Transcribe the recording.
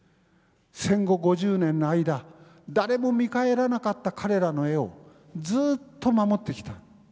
戦後５０年の間誰も見返らなかった彼らの絵をずっと守ってきた。